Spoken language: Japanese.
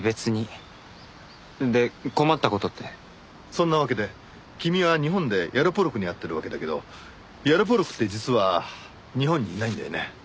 そんなわけで君は日本でヤロポロクに会ってるわけだけどヤロポロクって実は日本にいないんだよね。